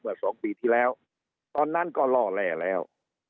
สองปีที่แล้วตอนนั้นก็ล่อแร่แล้ว